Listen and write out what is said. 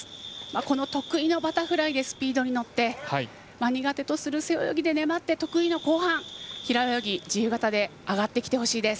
この得意のバタフライでスピードに乗って苦手とする背泳ぎで粘って得意の後半平泳ぎ、自由形で上がってきてほしいです。